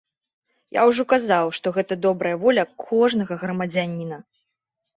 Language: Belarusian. Я ўжо казаў, што гэта добрая воля кожнага грамадзяніна.